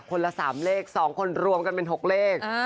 คนละสามเลขสองคนรวมกันเป็นหกเลข